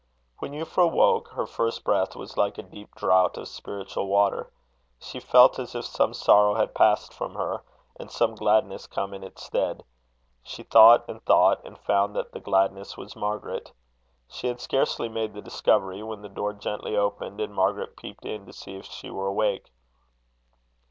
When Euphra woke, her first breath was like a deep draught of spiritual water. She felt as if some sorrow had passed from her, and some gladness come in its stead. She thought and thought, and found that the gladness was Margaret. She had scarcely made the discovery, when the door gently opened, and Margaret peeped in to see if she were awake.